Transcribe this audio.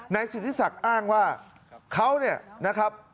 สิทธิศักดิ์อ้างว่าเขาเนี่ยนะครับ